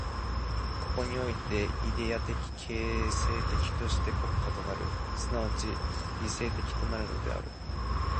ここにおいてイデヤ的形成的として国家となる、即ち理性的となるのである。